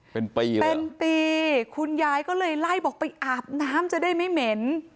เป็นปีเป็นปีคุณยายก็เลยไล่บอกไปอาบน้ำจะได้ไม่เหม็น